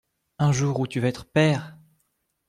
Un jour où tu vas être père !